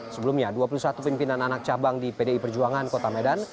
sebelumnya dua puluh satu pimpinan anak cabang di pdi perjuangan kota medan